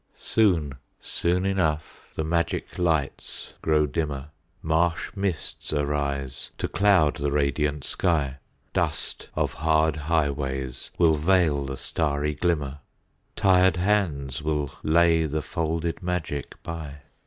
Soon, soon enough the magic lights grow dimmer, Marsh mists arise to cloud the radiant sky, Dust of hard highways will veil the starry glimmer, Tired hands will lay the folded magic by.